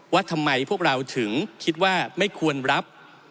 ว่าทำไมพวกเราถึงคิดว่าไม่ควรรับ